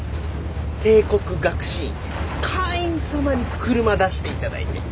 帝国学士院会員様に車出していただいて。